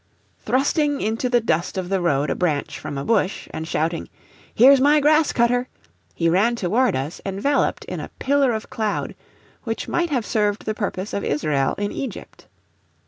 Thrusting into the dust of the road a branch from a bush, and shouting, "Here's my grass cutter!" he ran toward us enveloped in a "pillar of cloud," which might have served the purpose of Israel in Egypt.